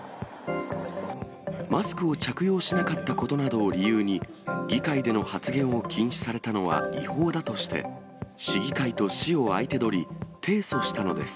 マスクを着用しなかったことなどを理由に、議会での発言を禁止されたのは違法だとして、市議会と市を相手取り、提訴したのです。